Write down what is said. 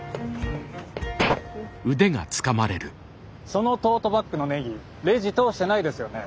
そのトートバッグのネギレジ通してないですよね？